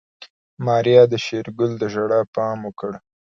ماريا د شېرګل د ژړا پام وکړ.